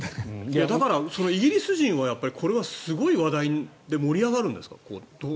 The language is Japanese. だから、イギリス人はこれはすごい話題で盛り上がるんですか？